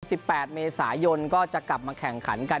แปดเมษายนก็จะกลับมาแข่งขันกัน